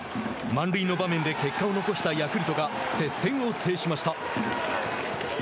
満塁の場面で結果を残したヤクルトが接戦を制しました。